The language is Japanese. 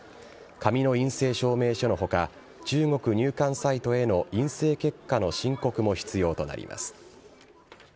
紙の陰性証明書のほか、中国入管サイトへの陰性結果の申告も必要となります。